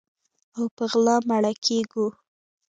او په غلا مړه کیږو